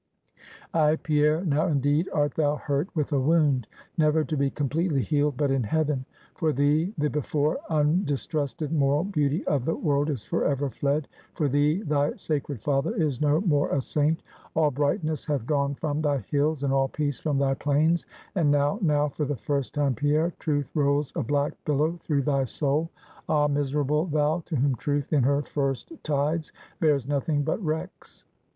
Ay, Pierre, now indeed art thou hurt with a wound, never to be completely healed but in heaven; for thee, the before undistrusted moral beauty of the world is forever fled; for thee, thy sacred father is no more a saint; all brightness hath gone from thy hills, and all peace from thy plains; and now, now, for the first time, Pierre, Truth rolls a black billow through thy soul! Ah, miserable thou, to whom Truth, in her first tides, bears nothing but wrecks!